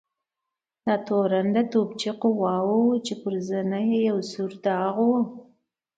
دا تورن د توپچي قواوو و چې پر زنې یې یو سور داغ و.